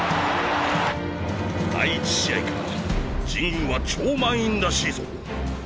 第１試合から神宮は超満員らしいぞ。